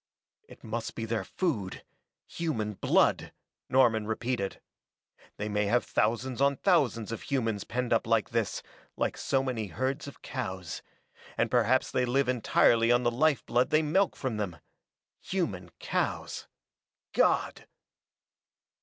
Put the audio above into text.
"It must be their food human blood!" Norman repeated. "They may have thousands on thousands of humans penned up like this, like so many herds of cows, and perhaps they live entirely on the life blood they milk from them. Human cows God!"